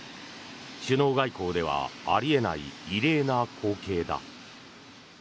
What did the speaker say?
首脳外交ではあり得ない異例な光景だ。